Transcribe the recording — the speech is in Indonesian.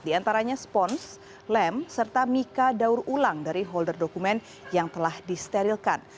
diantaranya spons lem serta mica daur ulang dari holder dokumen yang telah disterilkan